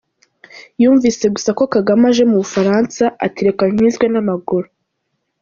Yumvise gusa ko Kagame aje mu bufransa, ati reka nkizwe n’amaguru !